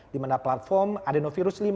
di mana platform adenovirus lima di rekam